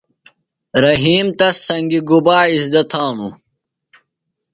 رحیم تس سنگیۡ گُبا اِزدہ تھانوۡ؟